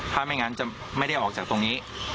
ถ้าไม่งั้นจะไม่ได้ออกจากตรงนี้